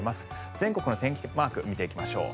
全国の天気マーク見ていきましょう。